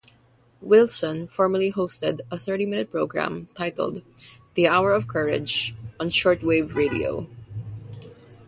Wilson formerly hosted a thirty-minute program titled "The Hour of Courage" on shortwave radio.